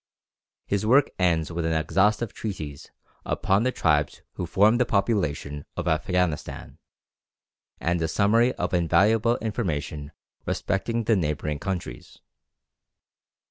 His work ends with an exhaustive treatise upon the tribes who form the population of Afghanistan, and a summary of invaluable information respecting the neighbouring countries.